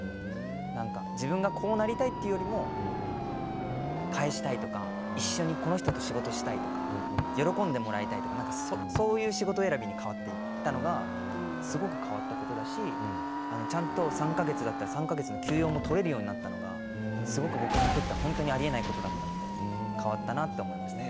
自分がこうなりたいというよりも返したいとか一緒にこの人と仕事をしたいとか喜んでもらいたいとかそういう仕事選びに変わっていったのがすごく変わったことだしちゃんと３か月だったら３か月の休養も取れるようになったのがすごく僕にとってはありえないことだったので変わったなと思いましたね。